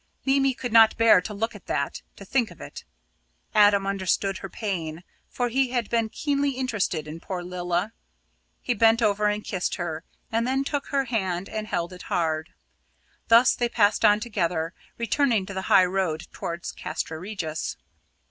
Mimi could not bear to look at that, to think of it. Adam understood her pain, for he had been keenly interested in poor Lilla. He bent over and kissed her, and then took her hand and held it hard. Thus they passed on together, returning to the high road towards Castra Regis.